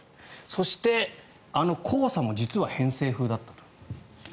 そして、あの黄砂も実は偏西風だったと。